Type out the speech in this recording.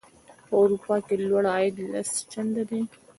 په اروپا کې لوړ عاید لس چنده دی.